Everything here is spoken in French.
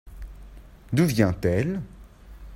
D'où vient-elle ?